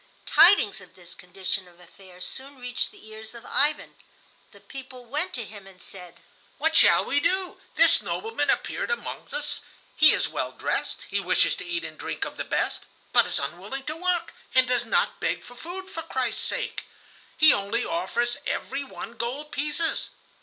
Tidings of this condition of affairs soon reached the ears of Ivan. The people went to him and said: "What shall we do? This nobleman appeared among us; he is well dressed; he wishes to eat and drink of the best, but is unwilling to work, and does not beg for food for Christ's sake. He only offers every one gold pieces.